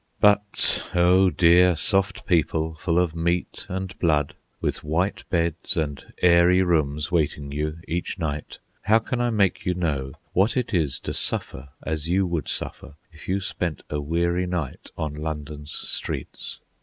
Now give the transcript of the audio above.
But, O dear, soft people, full of meat and blood, with white beds and airy rooms waiting you each night, how can I make you know what it is to suffer as you would suffer if you spent a weary night on London's streets!